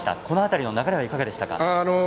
この辺りの流れはいかがでしたか。